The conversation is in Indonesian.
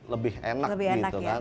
lebih enak ya